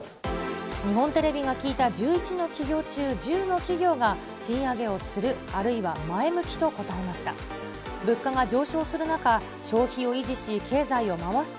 日本テレビが聞いた１１の企業中１０の企業が、賃上げをする、あるいは前向きと答えました。